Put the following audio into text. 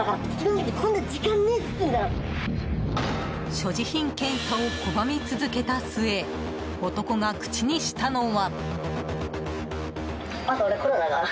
所持品検査を拒み続けた末男が口にしたのは。